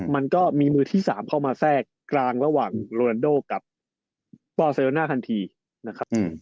มันก็มีมือที่๓เข้ามาแทรกกลางระหว่างโรนันโดกับปอเซลน่าทันทีนะครับ